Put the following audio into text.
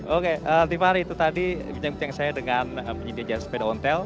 oke tiffany itu tadi bincang bincang saya dengan penyedia jasa sepeda ontel